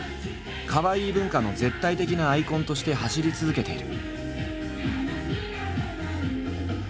「ＫＡＷＡＩＩ文化」の絶対的なアイコンとして走り続けている。